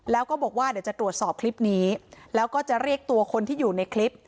แล้วก็บอกว่าเดี๋ยวจะตรวจสอบคลิปนี้แล้วก็จะเรียกตัวคนที่อยู่ในคลิป